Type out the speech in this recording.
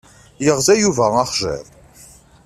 Yeɣza Yuba axjiḍ.